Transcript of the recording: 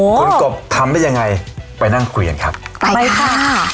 คุณกบทำได้ยังไงไปนั่งคุยกันครับไปค่ะ